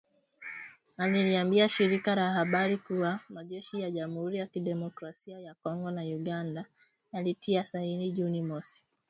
Aliliambia shirika la habari kuwa majeshi ya Jamhuri ya kidemokrasia ya kongo na Uganda yalitia saini Juni mosi.